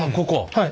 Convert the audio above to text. はい。